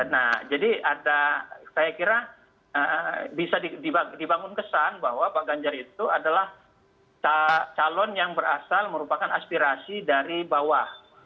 nah jadi ada saya kira bisa dibangun kesan bahwa pak ganjar itu adalah calon yang berasal merupakan aspirasi dari bawah